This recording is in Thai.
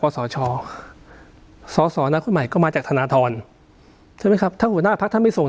สชสอสอนักคนใหม่ก็มาจากธนทรใช่ไหมครับถ้าหัวหน้าพักท่านไม่ส่ง